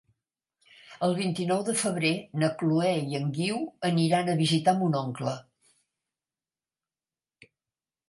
El vint-i-nou de febrer na Chloé i en Guiu aniran a visitar mon oncle.